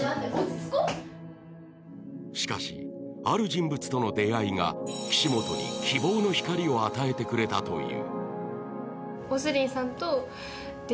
しかし、ある人物との出会いが岸本に希望の光を与えてくれたという。